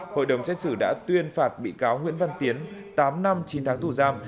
hội đồng xét xử đã tuyên phạt bị cáo nguyễn văn tiến tám năm chín tháng tù giam